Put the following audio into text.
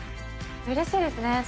うれしいですね。